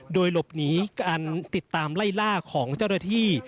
โดยหลบหนีการติดตามไล่ล่าของเจ้าหน้าที่